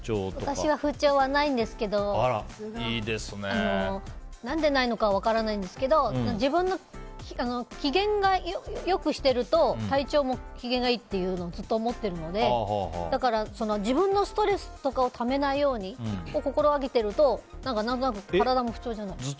私は不調はないんですけど何でないのか分からないんですけど自分の機嫌が良くしてると体調も機嫌がいいってずっと思ってるので自分のストレスとかをためないようにを心がけてると何となく体も不調じゃない。